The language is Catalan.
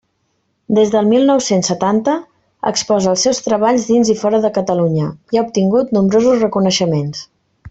Des del mil nou-cents setanta exposa els seus treballs dins i fora de Catalunya, i ha obtingut nombrosos reconeixements.